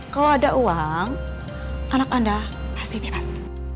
kalau ada uang anak anda pasti bebas